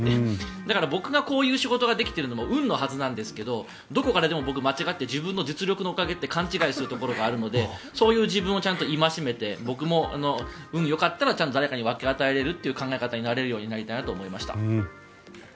だから、僕がこういう仕事ができてるのも運のはずなんですけどどこかで僕、間違って自分の実力のおかげと勘違いするところがあるので戒めて僕も運がよかったら誰かに分け与えるという考えになれるようになりたいなと思いました。